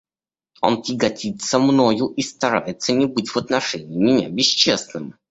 Он тяготится мною и старается не быть в отношении меня бесчестным.